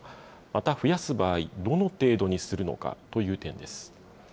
また、増やす場合、どの程度にするのかという点です。